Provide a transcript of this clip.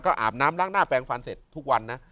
อาบน้ำล้างหน้าแปลงฟันเสร็จทุกวันนะ